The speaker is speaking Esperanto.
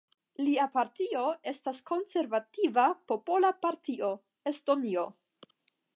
Lia partio estas Konservativa popola partio (Estonio).